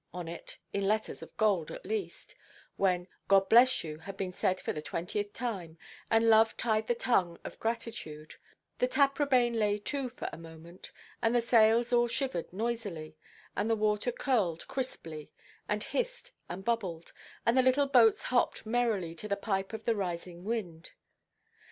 on it, in letters of gold at least—when "God bless you" had been said for the twentieth time, and love tied the tongue of gratitude, the Taprobane lay–to for a moment, and the sails all shivered noisily, and the water curled crisply, and hissed and bubbled, and the little boats hopped merrily to the pipe of the rising wind.